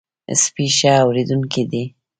سپي ښه اورېدونکي دي.